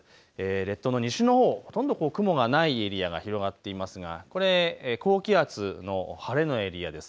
列島の西のほう、ほとんど雲がないエリアが広がっていますがこれは高気圧の晴れのエリアです。